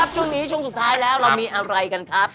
ช่วงนี้ช่วงสุดท้ายแล้วเรามีอะไรกันครับ